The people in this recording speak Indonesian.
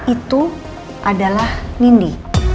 itu adalah nindi